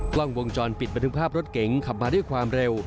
กล้องวงจรปิดบันทึกภาพรถเก๋งขับมาด้วยความเร็ว